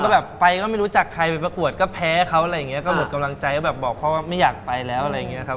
แบบไปก็ไม่รู้จักใครไปประกวดก็แพ้เขาอะไรอย่างเงี้ก็หมดกำลังใจก็แบบบอกพ่อว่าไม่อยากไปแล้วอะไรอย่างเงี้ยครับ